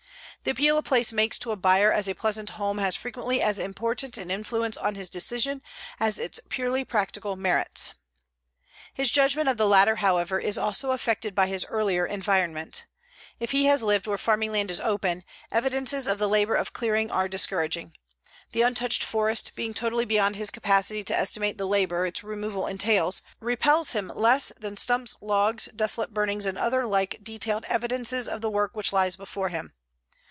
The appeal a place makes to a buyer as a pleasant home has frequently as important an influence on his decision as its purely practical merits. His judgment of the latter, however, is also affected by his earlier environment. If he has lived where farming land is open, evidences of the labor of clearing are discouraging. The untouched forest, being totally beyond his capacity to estimate the labor its removal entails, repels him less than stumps, logs, desolate burnings and like detailed evidences of the work which lies before him.